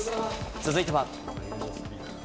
続いては。